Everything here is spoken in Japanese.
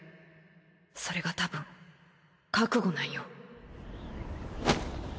それがたぶん覚悟なんよ。